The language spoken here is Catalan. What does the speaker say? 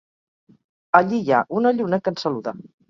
Allí hi ha una lluna que ens saluda